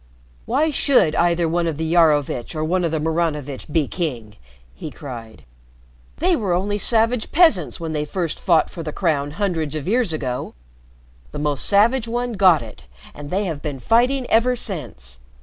"Why should either one of the Iarovitch or one of the Maranovitch be king!" he cried. "They were only savage peasants when they first fought for the crown hundreds of years ago. The most savage one got it, and they have been fighting ever since.